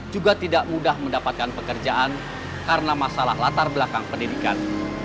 juga tidak mudah mendapatkan pekerjaan karena masalah latar belakang pendidikan